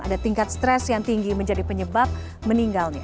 ada tingkat stres yang tinggi menjadi penyebab meninggalnya